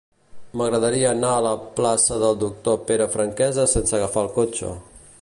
M'agradaria anar a la plaça del Doctor Pere Franquesa sense agafar el cotxe.